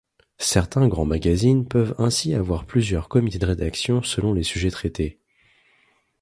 Certains grands magazines peuvent ainsi avoir plusieurs comités de rédaction selon les sujets traités.